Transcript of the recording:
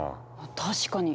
確かに！